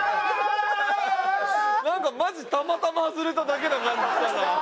なんかマジたまたま外れただけな感じしたな。